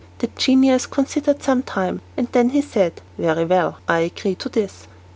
The genius considered some time, and then he said, "Very well, I agree to this."